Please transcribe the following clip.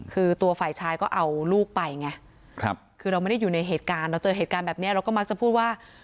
คือตัวฝ่ายชายก็เอาลูกไปไงคือเราไม่ได้อยู่ในเหตุการณ์เราเจอเหตุการณ์แบบนี้เราก็มักจะพูดว่า